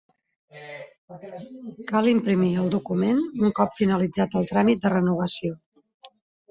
Cal imprimir el document un cop finalitzat el tràmit de renovació.